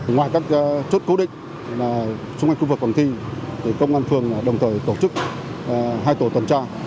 ngoài các chốt cố định xung quanh khu vực còn thi công an phường đồng thời tổ chức hai tổ tuần tra